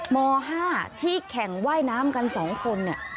ม๕ที่แข่งว่ายน้ำกันสองคน